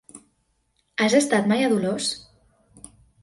Has estat mai a Dolors?